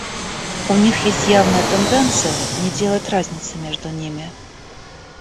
У них есть явная тенденция не делать разницы между ними.